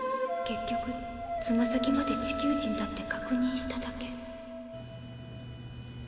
結局つま先まで地球人だって確認しただけ。